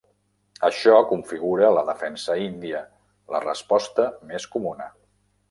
Això configura la defensa índia, la resposta més comuna.